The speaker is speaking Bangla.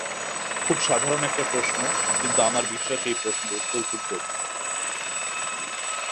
খুব সাধারণ একটা প্রশ্ন, কিন্তু আমার বিশ্বাস এই প্রশ্নের উত্তর খুব জটিল।